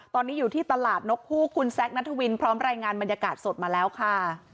ตอนนี้อยู่ที่ตลาดนกฮูกคุณแซคนัทวินพร้อมรายงานบรรยากาศสดมาแล้วค่ะ